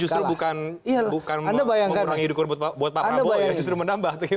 jadi justru bukan mengurangi dukungan buat pak prabowo yang justru menambah